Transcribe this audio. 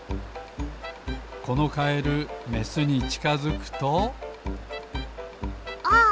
このカエルメスにちかづくとあっ！